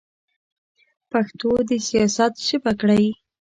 پښتو د سیاست ژبه کړئ.